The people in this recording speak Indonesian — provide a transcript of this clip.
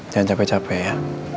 jangan capek capek ya